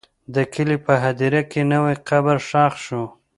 د کلي په هدیره کې نوی قبر ښخ شو.